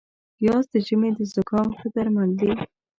پیاز د ژمي د زکام ښه درمل دي